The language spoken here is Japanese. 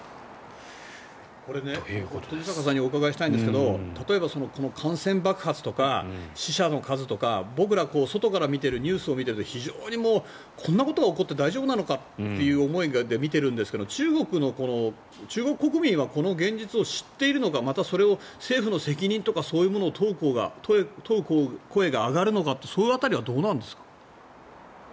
これ冨坂さんにお伺いしたいんですが例えば、感染爆発とか死者の数とか僕ら、外から見てるニュースを見てると非常に、こんなことが起こって大丈夫なのかという思いで見てるんですけど、中国国民はこの現実を知っているのかまたそれを政府の責任とかそういうものを問う声が上がるのかってその辺りはどうなんですか？